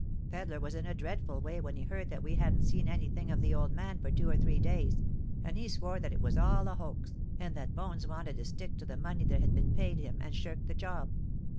Pedler was in a dreadful way when he heard that we hadn't seen any thing of the old man for two or three days; and he swore that it was all a hoax, and that Bones wanted to stick to the money that had been paid him, and shirk the job.